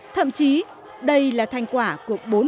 thậm chí đây là thành quả của bốn lần